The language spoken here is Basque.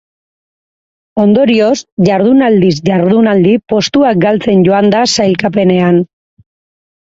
Ondorioz, jardunaldiz-jardunaldi postuak galtzen joan da sailkapenean.